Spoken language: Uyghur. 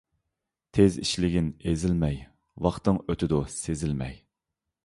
تېز ئىشلىگىن ئېزىلمەي، ۋاقتىڭ ئۆتىدۇ سېزىلمەي.